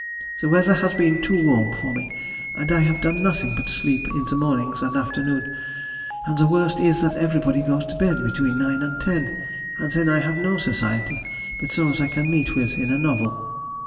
The weather has been too warm for me, and I have done nothing but sleep in the mornings and afternoon, and the worst is that everybody goes to bed between nine and ten, and then I have no society but those I can meet with in a novel.